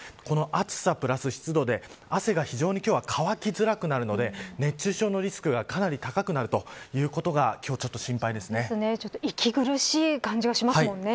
暑さプラス湿度で汗が非常に乾きづらくなるので熱中症のリスクがかなり高くなるということが息苦しい感じがしますもんね。